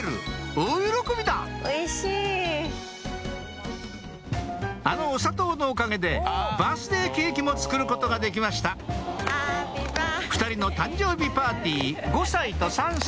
大喜びだあのお砂糖のおかげでバースデーケーキも作ることができました２人の誕生日パーティー５歳と３歳